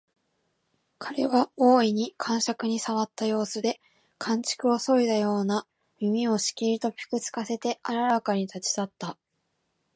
彼は大いに肝癪に障った様子で、寒竹をそいだような耳をしきりとぴく付かせてあららかに立ち去った